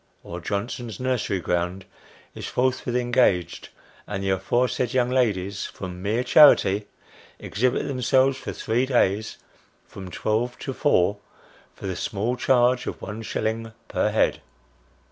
or Johnson's nursery ground, is forthwith engaged, and the aforesaid young ladies, from mere charity, exhibit themselves for three days, from twelve to four, for the small charge of one shilling per head